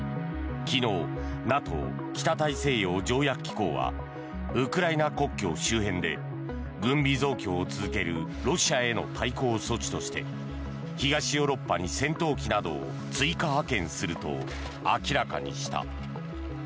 昨日ＮＡＴＯ・北大西洋条約機構はウクライナ国境周辺で軍備増強を続けるロシアへの対抗措置として東ヨーロッパに戦闘機などを追加派遣すると明らかにした。